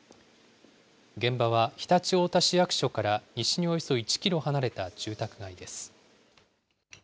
現場は常陸太田市役所から西におよそ１キロ離れた住宅街です。